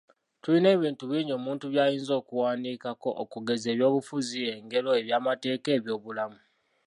Tulina ebintu bingi omuntu by’ayinza okuwandiikako, okugeza, ebyobufuzi, engero, eby’amateeka, eby’obulamu .